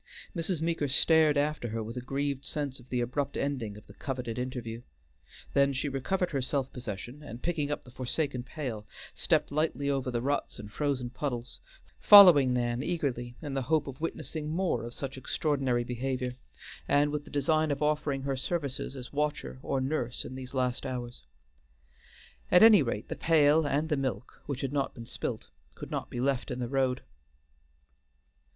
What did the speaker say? Mrs. Meeker stared after her with a grieved sense of the abrupt ending of the coveted interview, then she recovered her self possession, and, picking up the forsaken pail, stepped lightly over the ruts and frozen puddles, following Nan eagerly in the hope of witnessing more of such extraordinary behavior, and with the design of offering her services as watcher or nurse in these last hours. At any rate the pail and the milk, which had not been spilt, could not be left in the road.